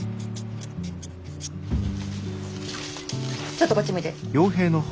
ちょっとこっち向いて。